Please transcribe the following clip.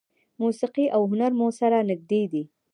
موسیقي او هنر مو سره نږدې دي.